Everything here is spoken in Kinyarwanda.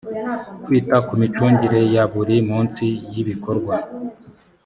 kwita ku micungire ya buri munsi y ibikorwa